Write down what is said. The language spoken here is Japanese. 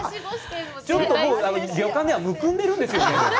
もう旅館ではむくんでるんですよね。